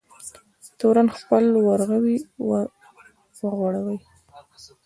تورن خپل ورغوی وغوړوی.